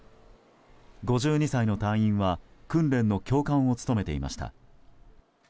５２歳の隊員は訓練の教官を務めていました。